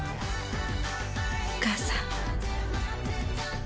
お母さん。